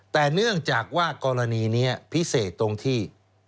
แต่เนื่องจากว่ากรณีนี้พิเศษตรงที่